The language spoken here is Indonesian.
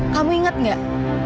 kamu inget gak